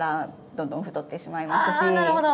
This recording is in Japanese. あなるほど。